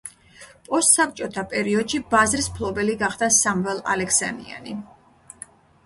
პოსტსაბჭოთა პერიოდში, ბაზრის მფლობელი გახდა სამველ ალექსანიანი.